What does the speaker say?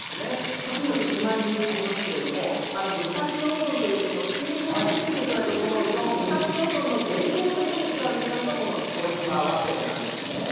そして今、手前にありますけれども、武蔵野うどんというこのつけ汁をつけていただくこのうどん、武蔵野うどんの原料としても使われていたのが、この尾島早生なんですね。